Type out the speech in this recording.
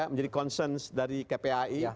menjadi concern dari kpai